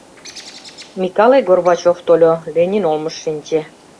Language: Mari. Микале Горбачев тольо, Ленин олмыш шинче.